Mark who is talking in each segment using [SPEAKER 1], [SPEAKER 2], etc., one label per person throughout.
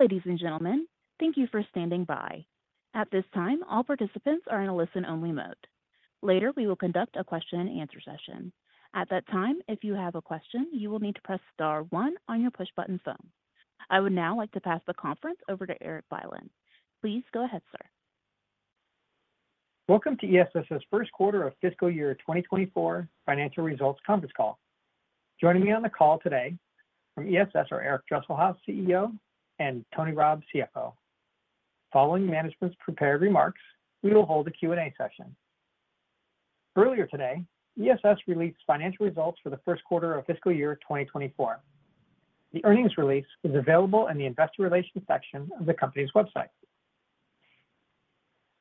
[SPEAKER 1] Ladies and gentlemen, thank you for standing by. At this time, all participants are in a listen-only mode. Later, we will conduct a Q&A session. At that time, if you have a question, you will need to press star one on your push-button phone. I would now like to pass the conference over to Eric Bylin. Please go ahead, sir.
[SPEAKER 2] Welcome to ESS's Q1 of fiscal year 2024 financial results conference call. Joining me on the call today from ESS are Eric Dresselhuys, CEO, and Tony Rabb, CFO. Following management's prepared remarks, we will hold a Q&A session. Earlier today, ESS released financial results for the Q1 of fiscal year 2024. The earnings release is available in the investor relations section of the company's website.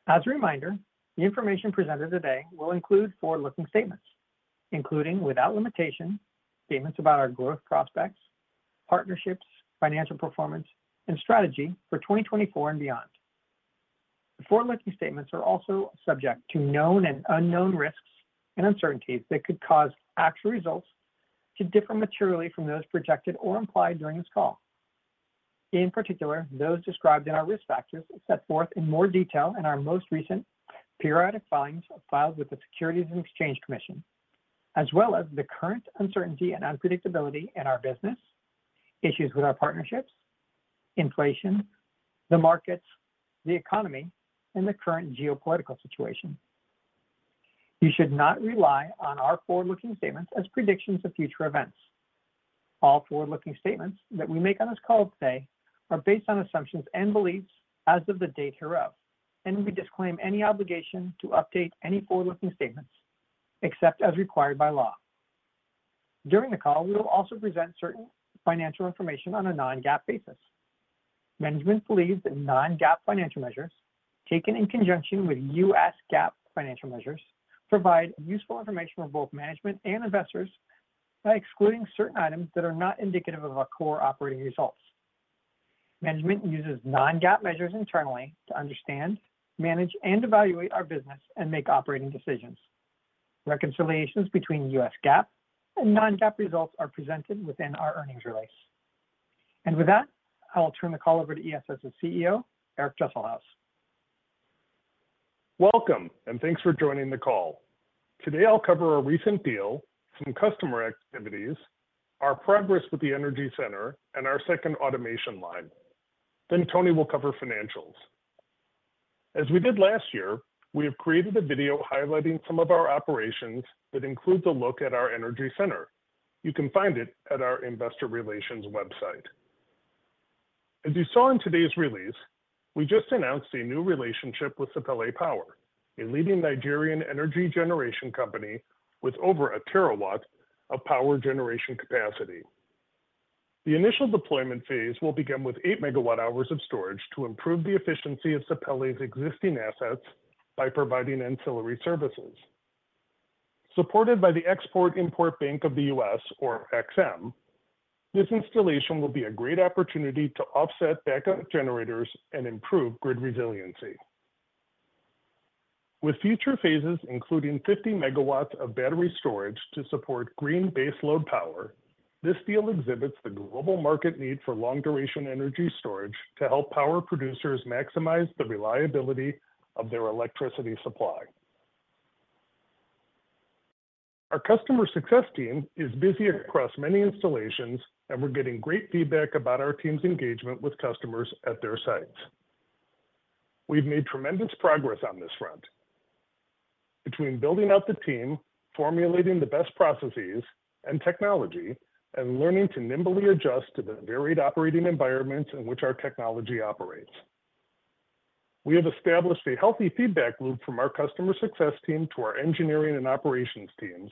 [SPEAKER 2] As a reminder, the information presented today will include forward-looking statements, including, without limitation, statements about our growth prospects, partnerships, financial performance, and strategy for 2024 and beyond. The forward-looking statements are also subject to known and unknown risks and uncertainties that could cause actual results to differ materially from those projected or implied during this call. In particular, those described in our risk factors set forth in more detail in our most recent periodic filings filed with the Securities and Exchange Commission, as well as the current uncertainty and unpredictability in our business, issues with our partnerships, inflation, the markets, the economy, and the current geopolitical situation. You should not rely on our forward-looking statements as predictions of future events. All forward-looking statements that we make on this call today are based on assumptions and beliefs as of the date thereof, and we disclaim any obligation to update any forward-looking statements except as required by law. During the call, we will also present certain financial information on a non-GAAP basis. Management believes that non-GAAP financial measures, taken in conjunction with U.S. GAAP financial measures, provide useful information for both management and investors by excluding certain items that are not indicative of our core operating results. Management uses non-GAAP measures internally to understand, manage, and evaluate our business and make operating decisions. Reconciliations between U.S. GAAP and non-GAAP results are presented within our earnings release. With that, I will turn the call over to ESS's CEO, Eric Dresselhuys.
[SPEAKER 3] Welcome, and thanks for joining the call. Today, I'll cover our recent deal, some customer activities, our progress with the Energy Center, and our second automation line. Then Tony will cover financials. As we did last year, we have created a video highlighting some of our operations that include the look at our Energy Center. You can find it at our investor relations website. As you saw in today's release, we just announced a new relationship with Sapele Power, a leading Nigerian energy generation company with over 1 terawatt of power generation capacity. The initial deployment phase will begin with 8 megawatt-hours of storage to improve the efficiency of Sapele's existing assets by providing ancillary services. Supported by the Export-Import Bank of the U.S., or EXIM, this installation will be a great opportunity to offset backup generators and improve grid resiliency. With future phases, including 50 megawatts of battery storage to support green base load power, this deal exhibits the global market need for long-duration energy storage to help power producers maximize the reliability of their electricity supply. Our customer success team is busy across many installations, and we're getting great feedback about our team's engagement with customers at their sites. We've made tremendous progress on this front between building out the team, formulating the best processes and technology, and learning to nimbly adjust to the varied operating environments in which our technology operates. We have established a healthy feedback loop from our customer success team to our engineering and operations teams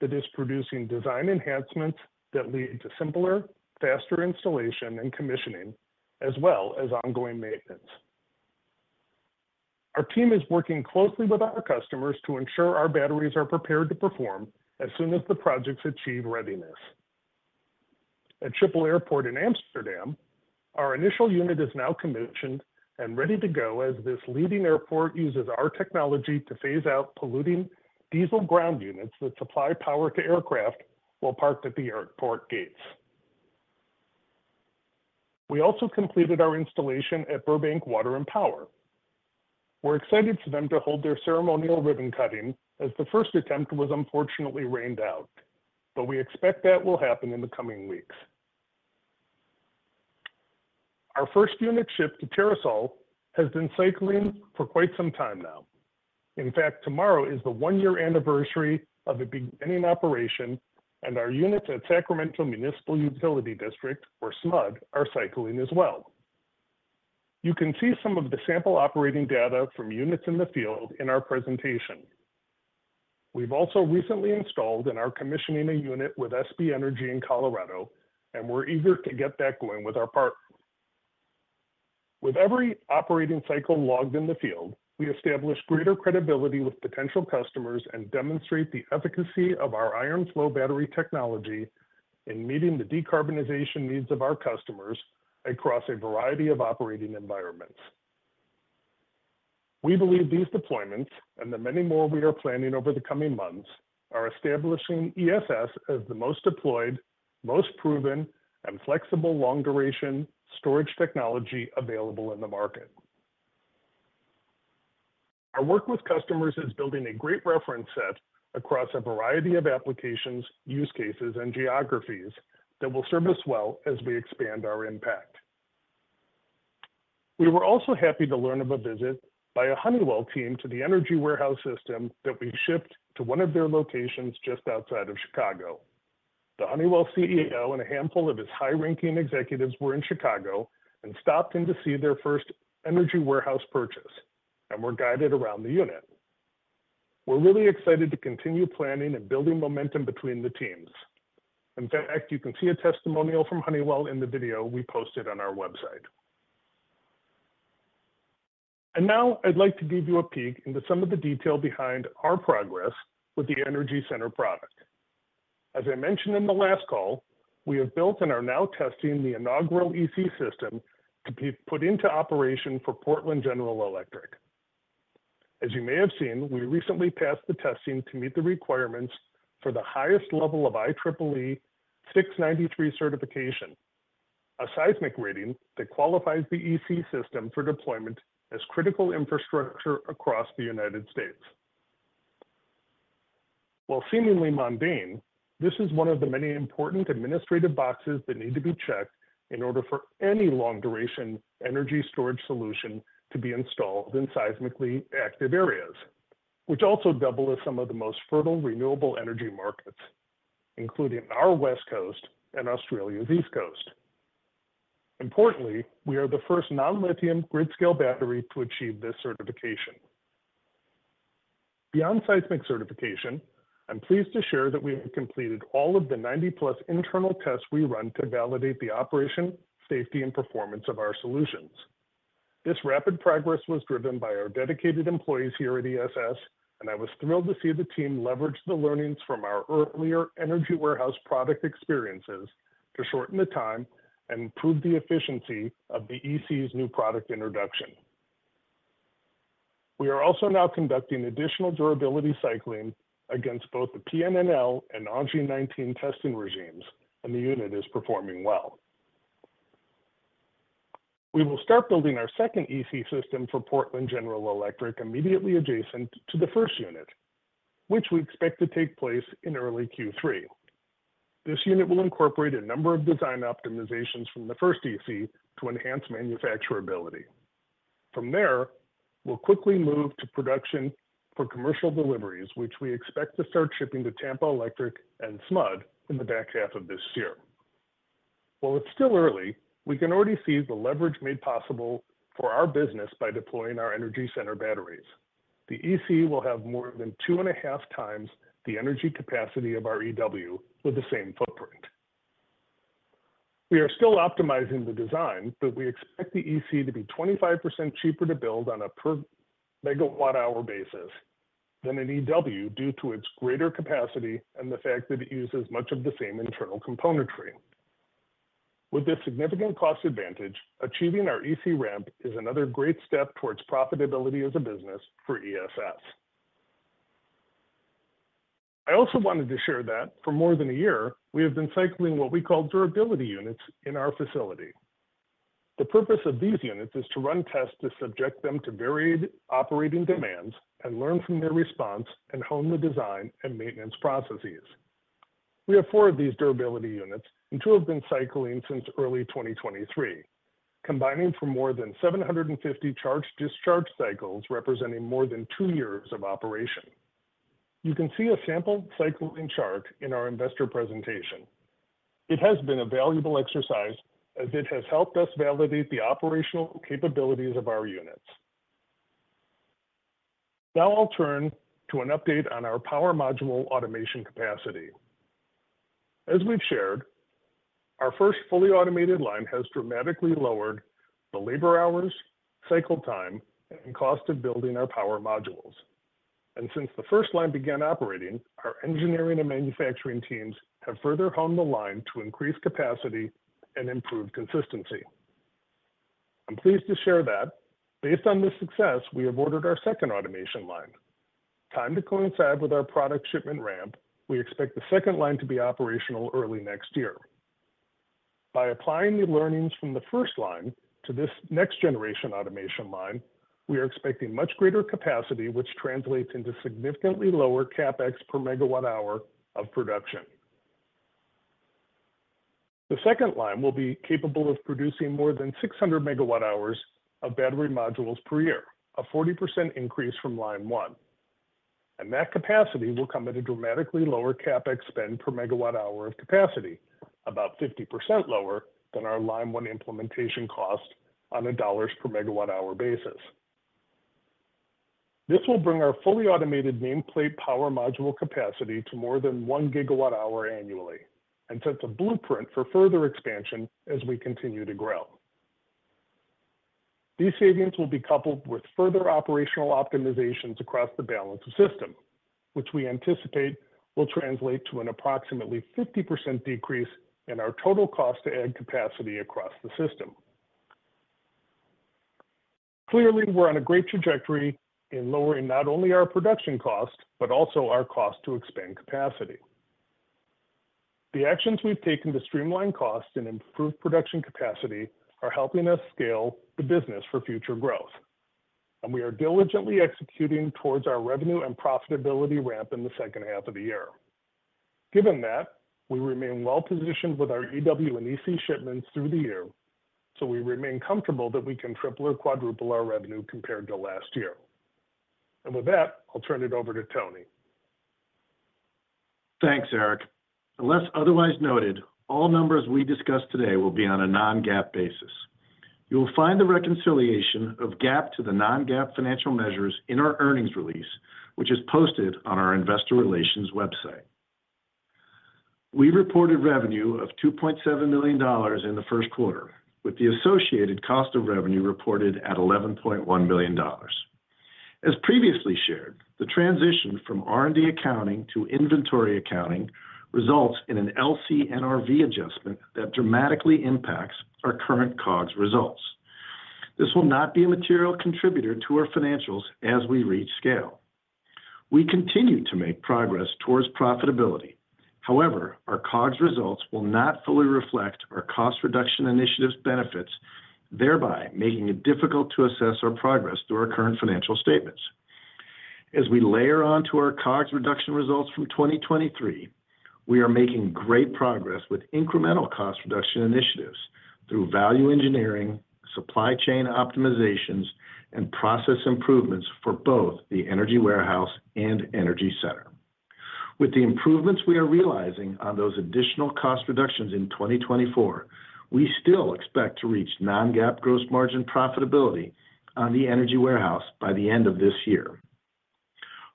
[SPEAKER 3] that is producing design enhancements that lead to simpler, faster installation and commissioning, as well as ongoing maintenance. Our team is working closely with our customers to ensure our batteries are prepared to perform as soon as the projects achieve readiness. At Schiphol Airport in Amsterdam, our initial unit is now commissioned and ready to go as this leading airport uses our technology to phase out polluting diesel ground units that supply power to aircraft while parked at the airport gates. We also completed our installation at Burbank Water and Power. We're excited for them to hold their ceremonial ribbon cutting, as the first attempt was unfortunately rained out, but we expect that will happen in the coming weeks. Our first unit shipped to TerraSol has been cycling for quite some time now. In fact, tomorrow is the one-year anniversary of it beginning operation, and our units at Sacramento Municipal Utility District, or SMUD, are cycling as well. You can see some of the sample operating data from units in the field in our presentation. We've also recently installed and are commissioning a unit with SB Energy in Colorado, and we're eager to get that going with our partners. With every operating cycle logged in the field, we establish greater credibility with potential customers and demonstrate the efficacy of our iron flow battery technology in meeting the decarbonization needs of our customers across a variety of operating environments. We believe these deployments, and the many more we are planning over the coming months, are establishing ESS as the most deployed, most proven, and flexible long-duration storage technology available in the market. Our work with customers is building a great reference set across a variety of applications, use cases, and geographies that will serve us well as we expand our impact. We were also happy to learn of a visit by a Honeywell team to the Energy Warehouse system that we shipped to one of their locations just outside of Chicago. The Honeywell CEO and a handful of his high-ranking executives were in Chicago and stopped in to see their first Energy Warehouse purchase, and were guided around the unit. We're really excited to continue planning and building momentum between the teams. In fact, you can see a testimonial from Honeywell in the video we posted on our website. Now I'd like to give you a peek into some of the detail behind our progress with the Energy Center product. As I mentioned in the last call, we have built and are now testing the inaugural EC system to be put into operation for Portland General Electric. As you may have seen, we recently passed the testing to meet the requirements for the highest level of IEEE 693 certification, a seismic rating that qualifies the EC system for deployment as critical infrastructure across the United States. While seemingly mundane, this is one of the many important administrative boxes that need to be checked in order for any long-duration energy storage solution to be installed in seismically active areas, which also double as some of the most fertile renewable energy markets, including our West Coast and Australia's East Coast. Importantly, we are the first non-lithium grid-scale battery to achieve this certification. Beyond seismic certification, I'm pleased to share that we have completed all of the 90+ internal tests we run to validate the operation, safety, and performance of our solutions. This rapid progress was driven by our dedicated employees here at ESS, and I was thrilled to see the team leverage the learnings from our earlier Energy Warehouse product experiences to shorten the time and improve the efficiency of the EC's new product introduction. We are also now conducting additional durability cycling against both the PNNL and ONGI 19 testing regimes, and the unit is performing well. We will start building our second EC system for Portland General Electric immediately adjacent to the first unit, which we expect to take place in early Q3. This unit will incorporate a number of design optimizations from the first EC to enhance manufacturability. From there, we'll quickly move to production for commercial deliveries, which we expect to start shipping to Tampa Electric and SMUD in the back half of this year. While it's still early, we can already see the leverage made possible for our business by deploying our Energy Center batteries. The EC will have more than 2.5x the energy capacity of our EW with the same footprint. We are still optimizing the design, but we expect the EC to be 25% cheaper to build on a per megawatt-hour basis than an EW, due to its greater capacity and the fact that it uses much of the same internal componentry. With this significant cost advantage, achieving our EC ramp is another great step towards profitability as a business for ESS. I also wanted to share that for more than a year, we have been cycling what we call durability units in our facility. The purpose of these units is to run tests to subject them to varied operating demands and learn from their response and hone the design and maintenance processes. We have four of these durability units, and two have been cycling since early 2023, combining for more than 750 charge-discharge cycles, representing more than two years of operation. You can see a sample cycling chart in our investor presentation. It has been a valuable exercise as it has helped us validate the operational capabilities of our units. Now I'll turn to an update on our power module automation capacity. As we've shared, our first fully automated line has dramatically lowered the labor hours, cycle time, and cost of building our power modules. And since the first line began operating, our engineering and manufacturing teams have further honed the line to increase capacity and improve consistency. I'm pleased to share that based on this success, we have ordered our second automation line. Timed to coincide with our product shipment ramp, we expect the second line to be operational early next year. By applying the learnings from the first line to this next-generation automation line, we are expecting much greater capacity, which translates into significantly lower CapEx per megawatt-hour of production. The second line will be capable of producing more than 600 megawatt-hours of battery modules per year, a 40% increase from line one. That capacity will come at a dramatically lower CapEx spend per megawatt-hour of capacity, about 50% lower than our line one implementation cost on a dollar per megawatt-hour basis. This will bring our fully automated nameplate power module capacity to more than 1 gigawatt-hour annually and sets a blueprint for further expansion as we continue to grow. These savings will be coupled with further operational optimizations across the balance of system, which we anticipate will translate to an approximately 50% decrease in our total cost to add capacity across the system. Clearly, we're on a great trajectory in lowering not only our production cost, but also our cost to expand capacity. The actions we've taken to streamline costs and improve production capacity are helping us scale the business for future growth, and we are diligently executing towards our revenue and profitability ramp in the second half of the year. Given that, we remain well-positioned with our EW and EC shipments through the year, so we remain comfortable that we can triple or quadruple our revenue compared to last year. And with that, I'll turn it over to Tony.
[SPEAKER 4] Thanks, Eric. Unless otherwise noted, all numbers we discuss today will be on a non-GAAP basis. You will find the reconciliation of GAAP to the non-GAAP financial measures in our earnings release, which is posted on our investor relations website. We reported revenue of $2.7 million in the Q1, with the associated cost of revenue reported at $11.1 million. As previously shared, the transition from R&D accounting to inventory accounting results in an LCNRV adjustment that dramatically impacts our current COGS results. This will not be a material contributor to our financials as we reach scale. We continue to make progress toward profitability. However, our COGS results will not fully reflect our cost reduction initiatives benefits, thereby making it difficult to assess our progress through our current financial statements. As we layer onto our COGS reduction results from 2023, we are making great progress with incremental cost reduction initiatives through value engineering, supply chain optimizations, and process improvements for both the Energy Warehouse and Energy Center. With the improvements we are realizing on those additional cost reductions in 2024, we still expect to reach non-GAAP gross margin profitability on the Energy Warehouse by the end of this year.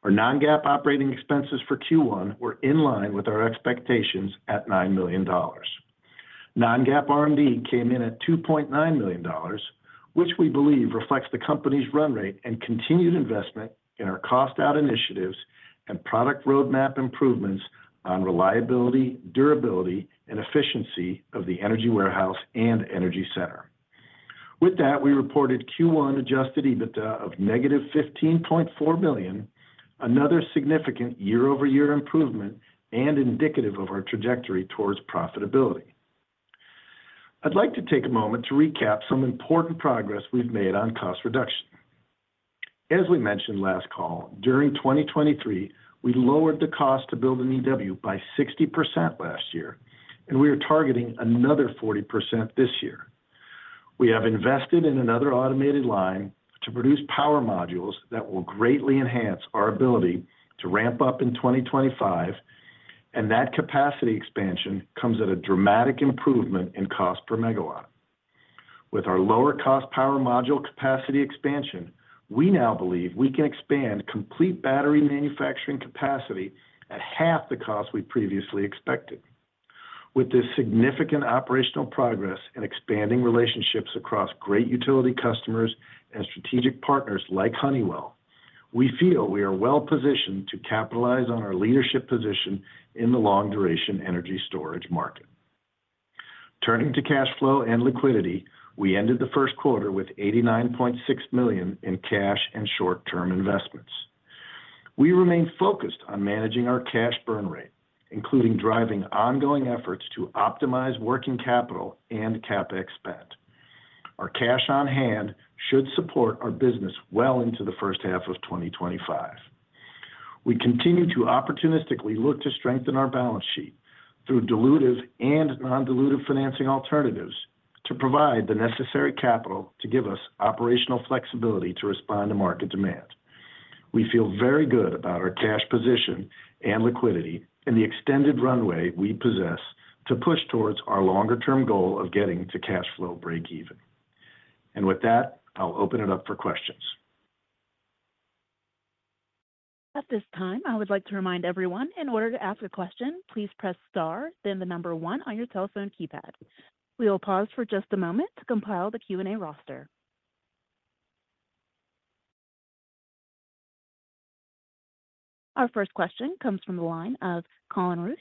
[SPEAKER 4] Our non-GAAP operating expenses for Q1 were in line with our expectations at $9 million. Non-GAAP R&D came in at $2.9 million, which we believe reflects the company's run rate and continued investment in our cost out initiatives and product roadmap improvements on reliability, durability, and efficiency of the Energy Warehouse and Energy Center. With that, we reported Q1 adjusted EBITDA of negative $15.4 million, another significant year-over-year improvement and indicative of our trajectory towards profitability. I'd like to take a moment to recap some important progress we've made on cost reduction. As we mentioned last call, during 2023, we lowered the cost to build an EW by 60% last year, and we are targeting another 40% this year. We have invested in another automated line to produce power modules that will greatly enhance our ability to ramp up in 2025, and that capacity expansion comes at a dramatic improvement in cost per megawatt. With our lower cost power module capacity expansion, we now believe we can expand complete battery manufacturing capacity at half the cost we previously expected. With this significant operational progress in expanding relationships across great utility customers and strategic partners like Honeywell, we feel we are well positioned to capitalize on our leadership position in the long-duration energy storage market. Turning to cash flow and liquidity, we ended the Q1 with $89.6 million in cash and short-term investments. We remain focused on managing our cash burn rate, including driving ongoing efforts to optimize working capital and CapEx spend. Our cash on hand should support our business well into the first half of 2025. We continue to opportunistically look to strengthen our balance sheet through dilutive and non-dilutive financing alternatives to provide the necessary capital to give us operational flexibility to respond to market demand. We feel very good about our cash position and liquidity and the extended runway we possess to push towards our longer-term goal of getting to cash flow breakeven. With that, I'll open it up for questions.
[SPEAKER 1] At this time, I would like to remind everyone, in order to ask a question, please press star, then the number 1 on your telephone keypad. We will pause for just a moment to compile the Q&A roster. Our first question comes from the line of Colin Rusch.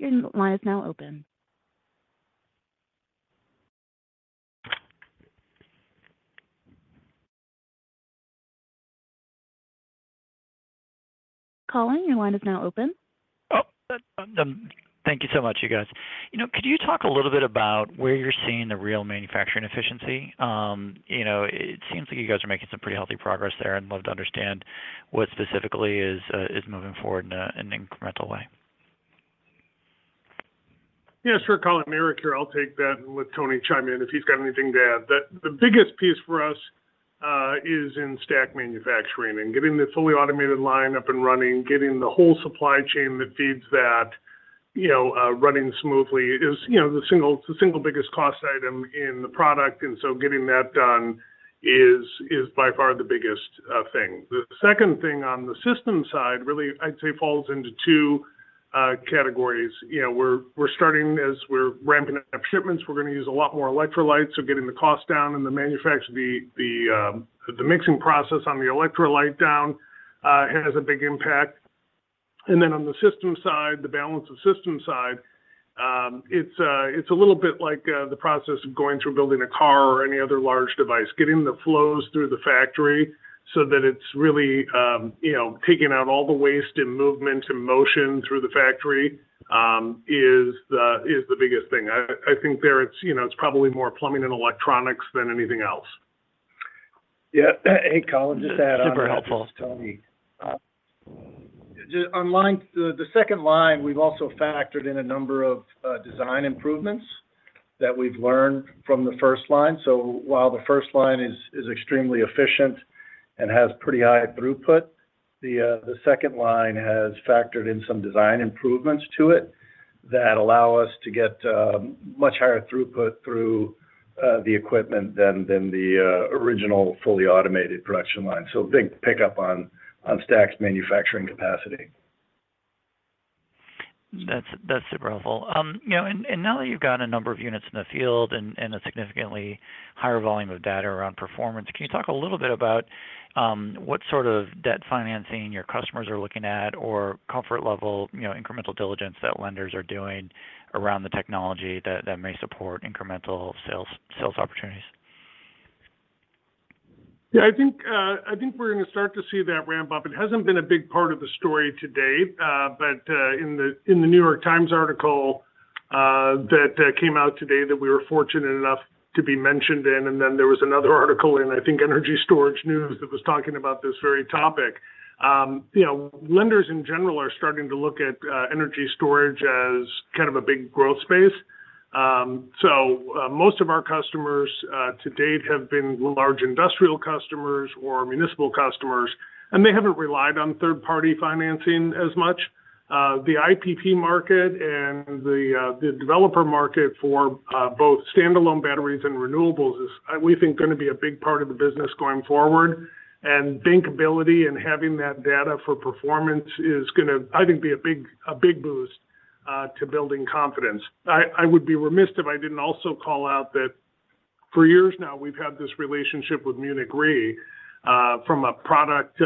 [SPEAKER 1] Your line is now open. Colin, your line is now open.
[SPEAKER 5] Oh, thank you so much, you guys. You know, could you talk a little bit about where you're seeing the real manufacturing efficiency? You know, it seems like you guys are making some pretty healthy progress there. I'd love to understand what specifically is moving forward in an incremental way.
[SPEAKER 3] Yes, sure, Colin. Eric here. I'll take that and let Tony chime in if he's got anything to add. The biggest piece for us is in stack manufacturing and getting the fully automated line up and running, getting the whole supply chain that feeds that, you know, running smoothly is, you know, the single biggest cost item in the product, and so getting that done is by far the biggest thing. The second thing on the system side, really, I'd say, falls into two categories, you know, we're starting as we're ramping up shipments, we're gonna use a lot more electrolytes, so getting the cost down and the manufacture, the mixing process on the electrolyte down has a big impact. And then on the system side, the balance of system side, it's a little bit like the process of going through building a car or any other large device. Getting the flows through the factory so that it's really, you know, taking out all the waste and movement and motion through the factory is the biggest thing. I think there it's, you know, it's probably more plumbing and electronics than anything else.
[SPEAKER 4] Yeah. Hey, Colin, just to add on,
[SPEAKER 5] Super helpful.
[SPEAKER 4] On the second line, we've also factored in a number of design improvements that we've learned from the first line. So while the first line is extremely efficient and has pretty high throughput, the second line has factored in some design improvements to it that allow us to get much higher throughput through the equipment than the original fully automated production line. So big pickup on stacks manufacturing capacity.
[SPEAKER 5] That's super helpful. You know, now that you've gotten a number of units in the field and a significantly higher volume of data around performance, can you talk a little bit about what sort of debt financing your customers are looking at, or comfort level, you know, incremental diligence that lenders are doing around the technology that may support incremental sales opportunities?
[SPEAKER 3] Yeah, I think, I think we're gonna start to see that ramp up. It hasn't been a big part of the story to date, but in the New York Times article that came out today that we were fortunate enough to be mentioned in, and then there was another article in, I think, Energy Storage News that was talking about this very topic. You know, lenders in general are starting to look at energy storage as kind of a big growth space. So, most of our customers to date have been large industrial customers or municipal customers, and they haven't relied on third-party financing as much. The IPP market and the developer market for both standalone batteries and renewables is, we think, gonna be a big part of the business going forward. Bankability and having that data for performance is gonna, I think, be a big, a big boost to building confidence. I would be remiss if I didn't also call out that for years now, we've had this relationship with Munich Re from a product,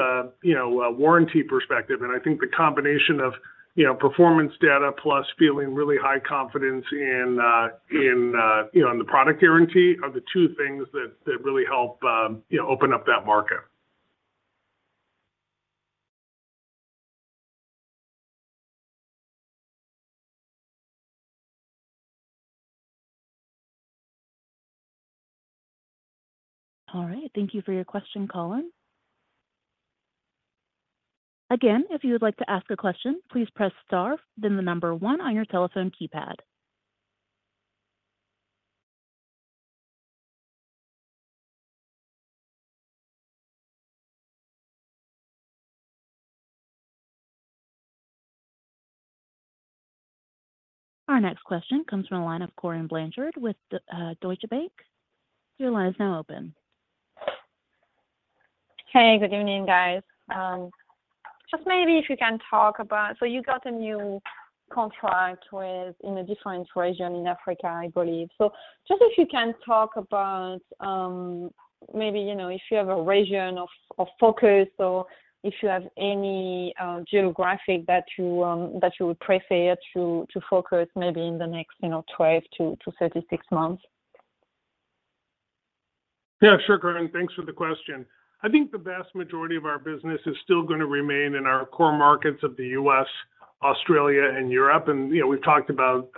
[SPEAKER 3] you know, a warranty perspective. I think the combination of, you know, performance data plus feeling really high confidence in you know in the product guarantee are the two things that really help you know open up that market.
[SPEAKER 1] All right, thank you for your question, Colin. Again, if you would like to ask a question, please press star, then the number one on your telephone keypad. Our next question comes from the line of Corinne Blanchard with Deutsche Bank. Your line is now open.
[SPEAKER 6] Hey, good evening, guys. Just maybe if you can talk about, so you got a new contract with, in a different region in Africa, I believe. So just if you can talk about, maybe, you know, if you have a region of focus or if you have any geographic that you would prefer to focus maybe in the next, you know, 12 to 36 months.
[SPEAKER 3] Yeah, sure, Corinne, thanks for the question. I think the vast majority of our business is still gonna remain in our core markets of the US, Australia, and Europe. And, you know, we've talked about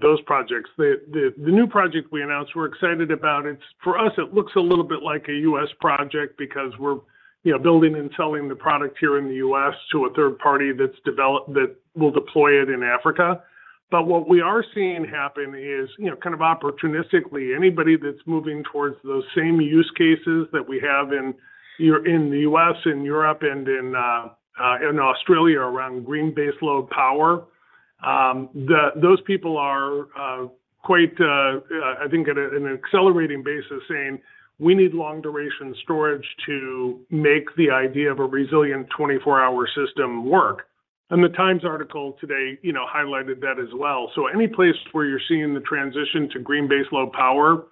[SPEAKER 3] those projects. The new project we announced, we're excited about. It's for us, it looks a little bit like a U.S. project because we're, you know, building and selling the product here in the U.S. to a third party that's that will deploy it in Africa. But what we are seeing happen is, you know, kind of opportunistically, anybody that's moving towards those same use cases that we have in the U.S., in Europe, and in Australia around green baseload power, those people are quite, I think at an accelerating basis saying, "We need long-duration storage to make the idea of a resilient 24-hour system work." And the Times article today, you know, highlighted that as well. So any place where you're seeing the transition to green baseload power,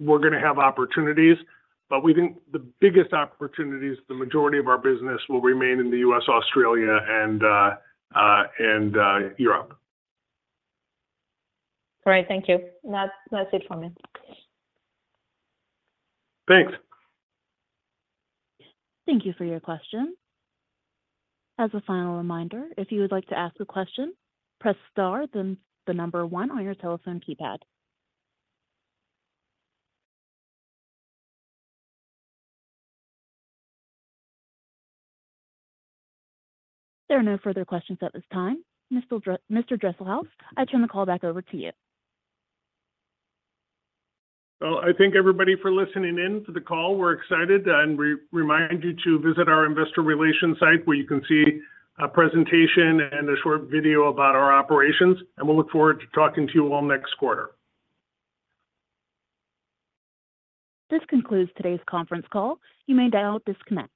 [SPEAKER 3] we're gonna have opportunities. But we think the biggest opportunities, the majority of our business will remain in the U.S., Australia, and Europe.
[SPEAKER 6] Great. Thank you. That's, that's it for me.
[SPEAKER 3] Thanks.
[SPEAKER 1] Thank you for your question. As a final reminder, if you would like to ask a question, press star, then the number one on your telephone keypad. There are no further questions at this time. Mr. Dresselhuys, I turn the call back over to you.
[SPEAKER 3] Well, I thank everybody for listening in to the call. We're excited, and we remind you to visit our investor relations site, where you can see a presentation and a short video about our operations, and we'll look forward to talking to you all next quarter.
[SPEAKER 1] This concludes today's conference call. You may now disconnect